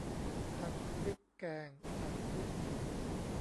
ผัดพริกแกง ผัดพริกขิง